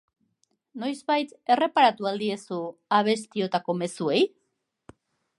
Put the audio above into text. Noizbait erreparatu al diezu abestiotako mezuei?